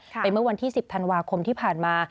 เมื่อวันที่๑๐ธันวาคมที่ผ่านมา